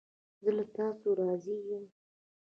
زه له تاسو راضی یم